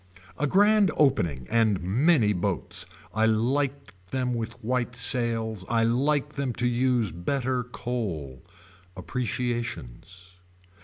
A grand opening and many boats. I like them with white sails. I like them to use better coal. Appreciations.